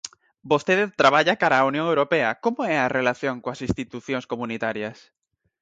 Vostede traballa cara á Unión Europea, como é a relación coas institucións comunitarias?